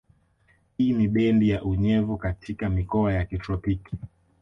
Hii ni bendi ya unyevu katika mikoa ya kitropiki